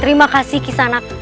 terima kasih kisanak